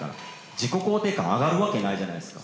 自己肯定感上がるわけないじゃないですか。